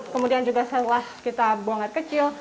kemudian juga setelah kita buang air kecil